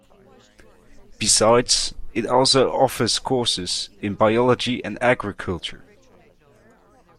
Besides, it also offers courses in biology and agriculture.